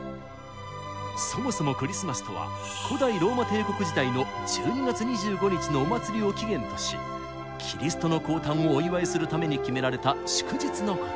そもそもクリスマスとは古代ローマ帝国時代の１２月２５日のお祭りを起源としキリストの降誕をお祝いするために決められた祝日のこと。